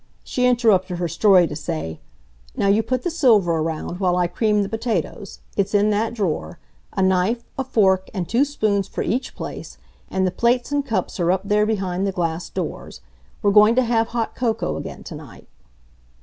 She interrupted her story to say: "Now you put the silver around, while I cream the potatoes. It's in that drawer—a knife, a fork, and two spoons for each place—and the plates and cups are up there behind the glass doors. We're going to have hot cocoa again tonight."